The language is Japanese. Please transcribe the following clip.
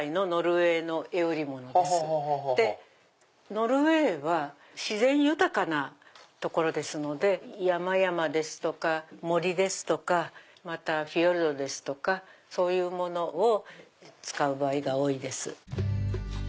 ノルウェーは自然豊かな所ですので山々ですとか森ですとかまたフィヨルドですとかそういうものを使う場合が多いです。